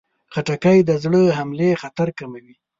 خټکی د زړه حملې خطر کموي.